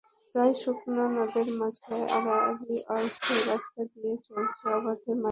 প্রায় শুকনা নদের মাঝে আড়াআড়ি অস্থায়ী রাস্তা দিয়ে চলছে অবাধে মাটি কাটা।